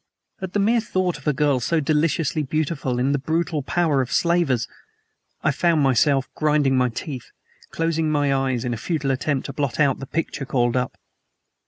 At the mere thought of a girl so deliciously beautiful in the brutal power of slavers, I found myself grinding my teeth closing my eyes in a futile attempt to blot out the pictures called up.